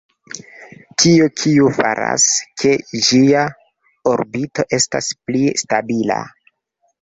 Tio, kiu faras, ke ĝia orbito estas pli stabila.